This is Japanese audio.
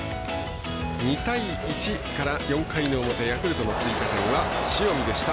２対１から４回の表ヤクルトの追加点は塩見でした。